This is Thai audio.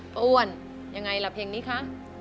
อ้วนยังไงล่ะเพลงนี้คะ